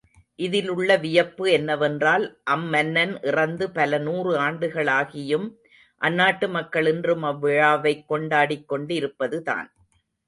இதிலுள்ள வியப்பு என்னவென்றால், அம்மன்னன் இறந்து பல நூறு ஆண்டுகளாகியும், அந்நாட்டு மக்கள் இன்றும் அவ்விழாவைக் கொண்டாடிக் கொண்டிருப்பதுதான்.